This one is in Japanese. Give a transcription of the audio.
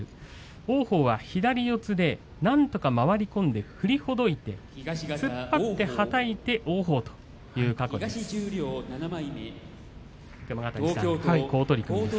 王鵬は左四つでなんとか回り込んで、振りほどいて突っ張って、はたいて王鵬という過去の対戦です。